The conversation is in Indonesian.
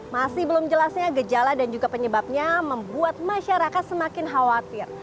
masih belum jelasnya gejala dan juga penyebabnya membuat masyarakat semakin khawatir